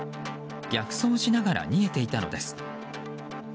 逆走しながら逃げていたのです。